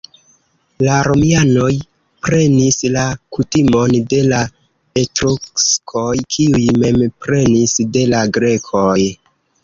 La romianoj prenis la kutimon de la etruskoj, kiuj mem prenis de la grekoj.